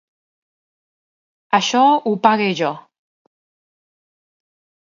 Això ho pague jo